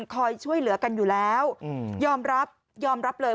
คอยช่วยเหลือกันอยู่แล้วยอมรับยอมรับเลย